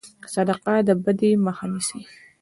صدقه د بدي مخه نیسي.